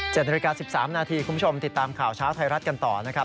นาฬิกา๑๓นาทีคุณผู้ชมติดตามข่าวเช้าไทยรัฐกันต่อนะครับ